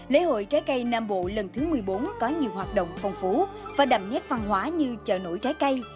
lễ hội trái cây nam bộ lần thứ một mươi bốn có nhiều hoạt động phong phú và đậm nét văn hóa như chợ nổi trái cây